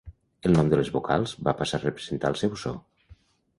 El nom de les vocals va passar a representar el seu so.